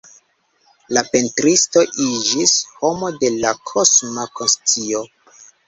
La pentristo iĝis “homo de la kosma konscio.